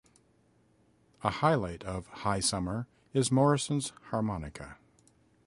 A highlight of "High Summer" is Morrison's harmonica.